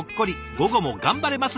午後も頑張れます！」